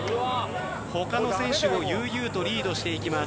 他の選手を悠々とリードしていきます。